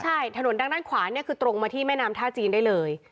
ใช่ถนนดังด้านขวาเนี่ยคือตรงมาที่แม่น้ำท่าจีนได้เลย